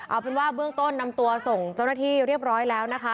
เอาเป็นว่าเบื้องต้นนำตัวส่งเจ้าหน้าที่เรียบร้อยแล้วนะคะ